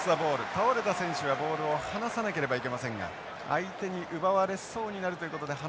倒れた選手はボールを離さなければいけませんが相手に奪われそうになるということで離すことができませんでした。